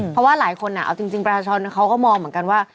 เพราะว่าหลายคนเอาจริงประชาชนเขาก็มองเหมือนกันว่า